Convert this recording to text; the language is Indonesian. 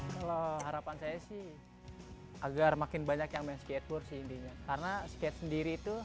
halo harapan saya sih agar makin banyak yang meski atur sih karena sketch sendiri itu